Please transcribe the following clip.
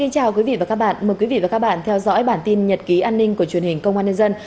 chào mừng quý vị đến với bản tin nhật ký an ninh của truyền hình công an nhân dân